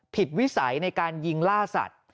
วิสัยในการยิงล่าสัตว์